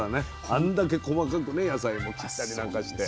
あんだけ細かくね野菜も切ったりなんかして。